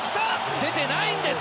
出てないんです！